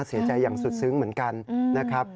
เสียใจอย่างสุดซึ้งเหมือนกันนะครับ